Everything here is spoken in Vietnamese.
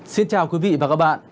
xin chào quý vị và các bạn